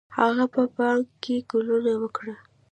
هغه په باغ کې ګلونه وکري.